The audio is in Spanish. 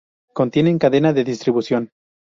Contienen cadena de distribución.